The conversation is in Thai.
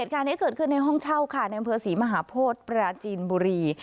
เหตุการณ์นี้เกิดขึ้นในห้องเช่าค่ะในอำเภอศรีมหาโพธิปราจีนบุรี